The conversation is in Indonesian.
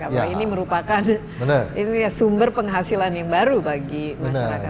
karena ini merupakan sumber penghasilan yang baru bagi masyarakat